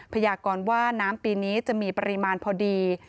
พยากรว่าน้ำปีนี้จะมีปริมาณพอดี